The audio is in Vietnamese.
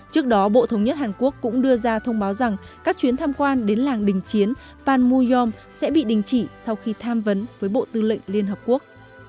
trước đó bộ thống nhất hàn quốc cũng đưa ra thông báo rằng các chuyến tham quan đến làng đình chiến panmu yong sẽ bị đình chỉ sau khi tham vấn với bộ tư lệnh liên hợp quốc